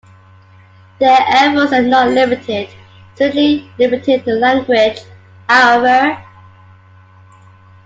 Their efforts are not limited strictly limited to language however.